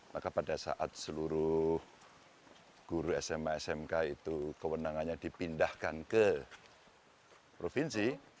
maka pada saat seluruh guru sma smk itu kewenangannya dipindahkan ke provinsi